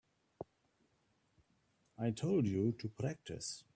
I told you to practice.